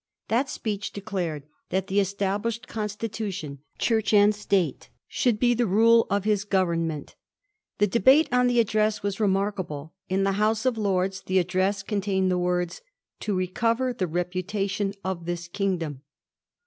That Speech declared that the established Constitution — Church and State — should be the rule of his government. The debate on the Address was remarkable. In the House of Lords the Address contained the words —* To recover the reputation of this kiagdom.'